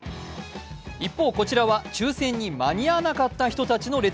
一方、こちらは抽選に間に合わなかった人たちの列。